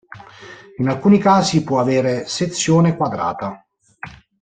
In alcuni casi può avere sezione quadrata.